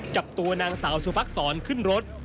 จับตัวนางสาวสุภักษรขึ้นรถ